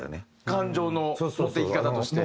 感情の持っていき方として？